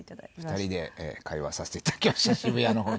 ２人で通わさせていただきました渋谷の方に。